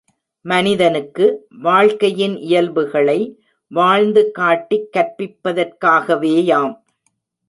மனிதனுக்கு வாழ்க்கையின் இயல்புகளை வாழ்ந்து காட்டிக் கற்பிப்பதற்காகவேயாம்.!